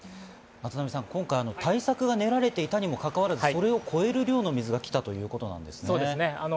今回、対策が練られているにもかかわらず、それを超える量の水が来たということですね。